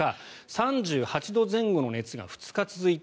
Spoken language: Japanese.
３８度前後の熱が２日続いた。